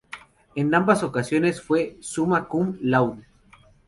En ambas ocasiones fue "Summa cum laude".